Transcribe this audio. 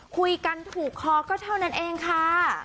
คุยกันถูกคอก็เท่านั้นเองค่ะ